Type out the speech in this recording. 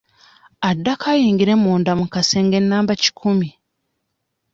Addako ayingire munda mu kasenge namba kikumi.